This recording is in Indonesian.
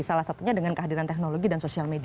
salah satunya dengan kehadiran teknologi dan sosial media